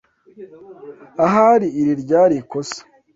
Ahari iri ryari ikosa.